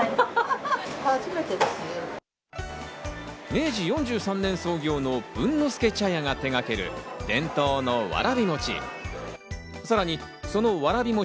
明治４３年創業の文の助茶屋が手がける、伝統のわらび餅。